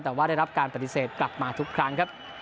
แต่ว่าได้รับการปฏิเสธกลับมาทุกครั้งครับ